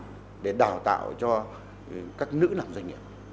có hẳn một dự án để đào tạo cho các doanh nghiệp khởi nghiệp nói chung